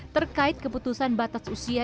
terkait keputusan batas usia